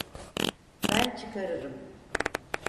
Ben çıkarırım.